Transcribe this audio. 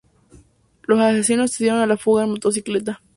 Los asesinos se dieron a la fuga en motocicleta.